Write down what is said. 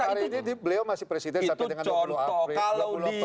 hari ini beliau masih presiden sampai dengan dua puluh april